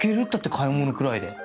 買い物くらいで。